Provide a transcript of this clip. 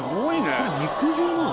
これ肉汁なの？